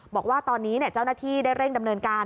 บอกว่าตอนนี้เจ้าหน้าที่ได้เร่งดำเนินการ